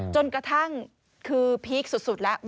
จนกระทั่งคือพีคสุดแล้ว